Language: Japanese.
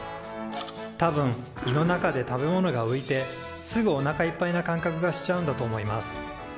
多分胃の中で食べ物がういてすぐおなかいっぱいな感覚がしちゃうんだと思います。